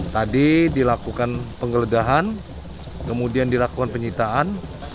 tadi dilakukan penggeledahan kemudian dilakukan penyitaan